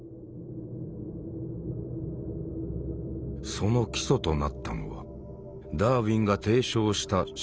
その基礎となったのはダーウィンが提唱した「進化論」。